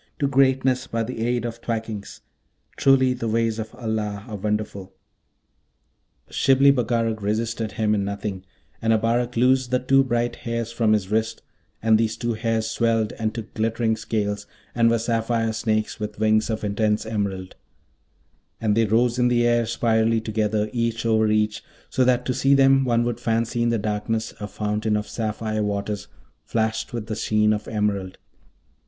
to greatness by the aid of thwackings! Truly the ways of Allah are wonderful!' Shibli Bagarag resisted him in nothing, and Abarak loosed the two bright hairs from his wrist, and those two hairs swelled and took glittering scales, and were sapphire snakes with wings of intense emerald; and they rose in the air spirally together, each over each, so that to see them one would fancy in the darkness a fountain of sapphire waters flashed with the sheen of emerald.